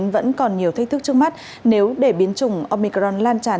vẫn còn nhiều thách thức trước mắt nếu để biến chủng omicron lan tràn